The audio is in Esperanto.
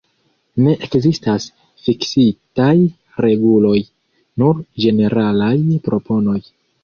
Ne ekzistas fiksitaj reguloj, nur ĝeneralaj proponoj.